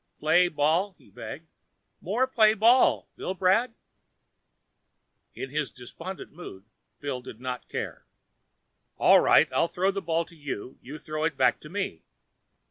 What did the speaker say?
"Play ball?" he begged. "More play ball, Billbrad?" In his despondent mood, Bill did not care. "All right. I'll throw the ball to you and you throw it back to me."